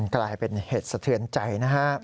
กลายเป็นเหตุสะเทือนใจนะครับ